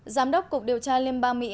giám đốc cục điều tra liên bang mỹ